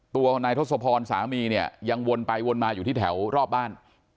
ตัวของนายทศพรสามีเนี่ยยังวนไปวนมาอยู่ที่แถวรอบบ้าน